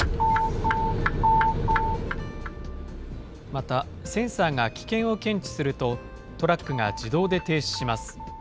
また、センサーが危険を検知すると、トラックが自動で停止します。